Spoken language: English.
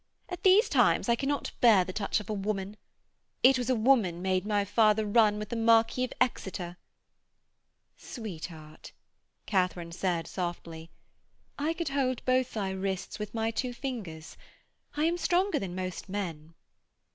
'At these times I cannot bear the touch of a woman. It was a woman made my father run with the Marquis of Exeter.' 'Sweetheart,' Katharine said softly, 'I could hold both thy wrists with my two fingers. I am stronger than most men.'